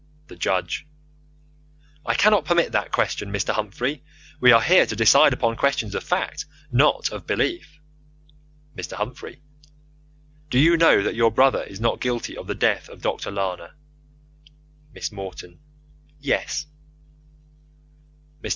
The Judge: I cannot permit that question, Mr. Humphrey. We are here to decide upon questions of fact not of belief. Mr. Humphrey: Do you know that your brother is not guilty of the death of Doctor Lana? Miss Morton: Yes. Mr.